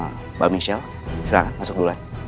pak angga sama mbak michelle silahkan masuk dulu ya